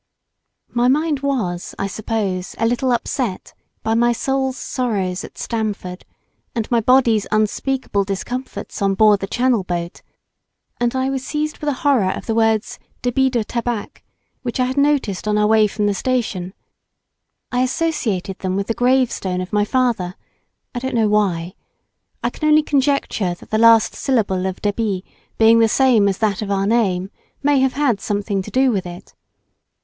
My mind was, I suppose, a little upset by my soul's sorrows at Stamford and my body's unspeakable discomforts on board the channel boat, and I was seized with a horror of the words Débit de Tabac which I had noticed on our way from the station; I associated them with the gravestone of my father, I don't know why, I can only conjecture that the last syllable of Débit being the same as that of our name, may have had something to do with it.